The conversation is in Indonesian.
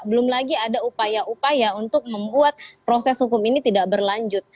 belum lagi ada upaya upaya untuk membuat proses hukum ini tidak berlanjut